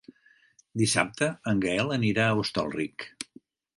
Dissabte en Gaël anirà a Hostalric.